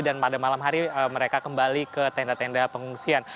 dan pada malam hari mereka kembali ke tenda tenda pengungsian